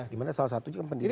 dimana salah satu pendidikan